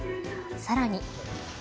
さらに。